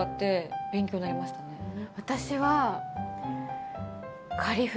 私は。